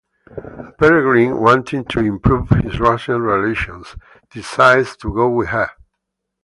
Peregrine, wanting to improve his Russian relations, decides to go with her.